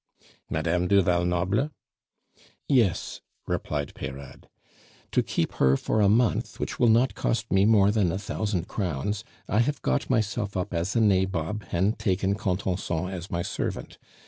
"Madame du Val Noble?" "Yes," replied Peyrade. "To keep her for a month, which will not cost me more than a thousand crowns, I have got myself up as a nabob and taken Contenson as my servant.